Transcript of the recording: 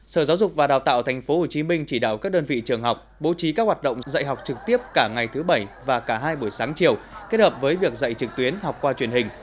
sở giáo dục và đào tạo tp hcm chỉ đạo các đơn vị trường học bố trí các hoạt động dạy học trực tiếp cả ngày thứ bảy và cả hai buổi sáng chiều kết hợp với việc dạy trực tuyến học qua truyền hình